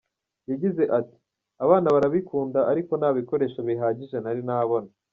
Yagize ati “Abana barabikunda ariko nta bikoresho bihagije nari nabona.